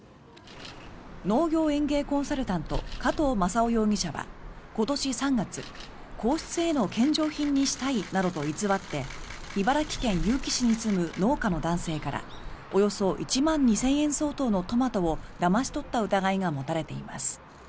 農業園芸コンサルタント加藤正夫容疑者は今年３月皇室への献上品にしたいなどと偽って茨城県結城市に住む農家の男性からおよそ１万２０００円相当のトマトをだまし取った疑いが持たれています。